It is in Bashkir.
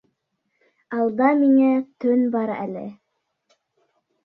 — Алда миңә төн бар әле.